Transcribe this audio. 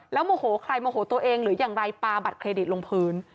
โมโหใครโมโหตัวเองหรืออย่างไรปาบัตรเครดิตลงพื้น